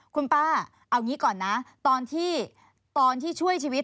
คุณป้าเอางี้ก่อนนะตอนที่ช่วยชีวิต